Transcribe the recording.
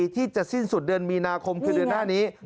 ที่จะสิ้นสุดเดือนมีนาคมคือเดือนหน้านี้